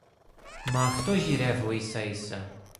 Μα αυτό γυρεύω ίσα-ίσα